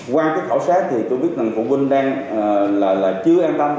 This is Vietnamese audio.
qua cái khảo sát thì tôi biết ngành phụ huynh đang là chưa an tâm